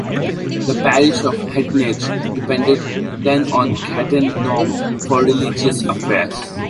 The parish of Hettange depended then on Cattenom for religious affairs.